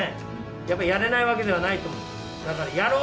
やっぱやれないわけではないと思う。